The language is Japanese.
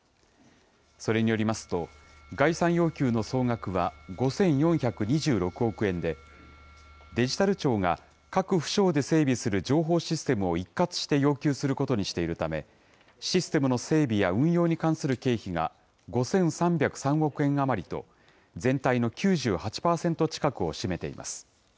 それによりますと、概算要求の総額は５４２６億円で、デジタル庁が各府省で整備する情報システムを一括して要求することにしているため、システムの整備や運用に関する経費が５３０３億円余りと、全体の９８％近くを占めています。